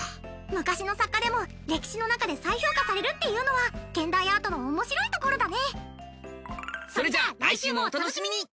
昔の作家でも歴史の中で再評価されるっていうのは現代アートの面白いところだね。